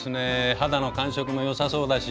肌の感触も良さそうだし。